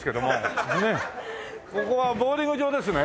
ここはボウリング場ですね？